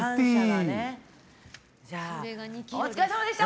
じゃあ、お疲れさまでした！